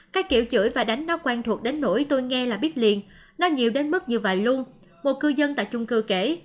các kiểu chưỡi và đánh nó quen thuộc đến nổi tôi nghe là biết liền nó nhiều đến mức như vậy luôn một cư dân tại chung cư kể